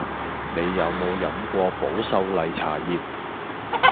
你有無飲過保秀麗茶葉